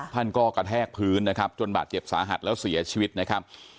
ท่านก็กระแทกพื้นนะครับจนบาดเจ็บสาหัสแล้วเสียชีวิตนะครับ